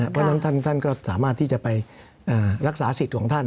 เพราะฉะนั้นท่านก็สามารถที่จะไปรักษาสิทธิ์ของท่าน